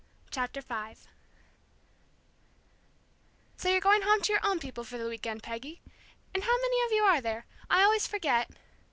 CHAPTER V "So you're going home to your own people for the week end, Peggy? And how many of you are there, I always forget?"